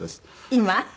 今？